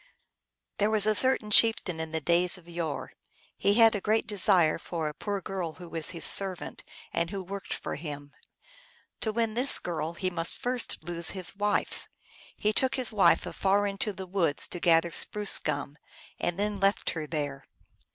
THERE was a chieftain in the days of yore. He had a great desire for a poor girl who was a servant, and who worked for him. To win this girl he first must lose his wife. He took his wife afar into the woods to gather spruce gum, and then left her there.